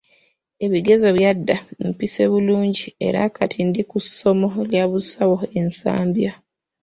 Ebigezo byadda mpise bulungi era kati ndi ku ssomo lya busawo e Nsambya.